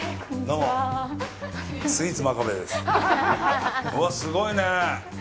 うわ、すごいね。